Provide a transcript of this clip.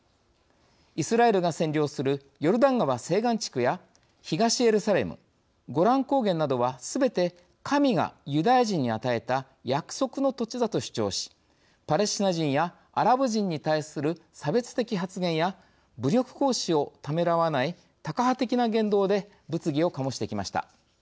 イスラエルが占領するヨルダン川西岸地区や東エルサレムゴラン高原などはすべて神がユダヤ人に与えた約束の土地だと主張しパレスチナ人やアラブ人に対する差別的発言や武力行使をためらわないタカ派的な言動で物議を醸してきました。